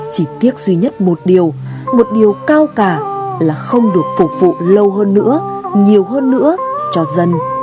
chỉ tiếc duy nhất một điều một điều cao cả là không được phục vụ lâu hơn nữa nhiều hơn nữa cho dân